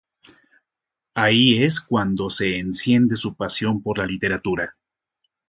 Ahí es cuando se enciende su pasión por la Literatura.